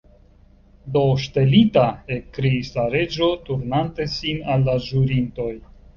"Do, ŝtelita!" ekkriis la Reĝo, turnante sin al la ĵurintoj.